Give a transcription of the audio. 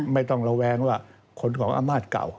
ไม่ต้องระแวงว่าคนของอำนาจเก่า